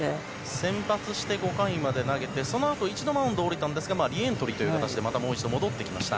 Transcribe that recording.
先発して５回まで投げてそのあと一度マウンドを降りたんですがリエントリーという形でもう一度戻ってきました。